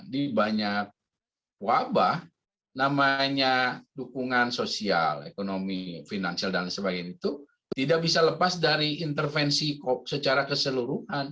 di banyak wabah namanya dukungan sosial ekonomi finansial dan sebagainya itu tidak bisa lepas dari intervensi secara keseluruhan